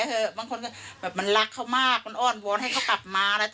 เถอะบางคนก็แบบมันรักเขามากมันอ้อนวอนให้เขากลับมาอะไร